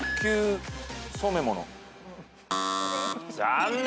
残念。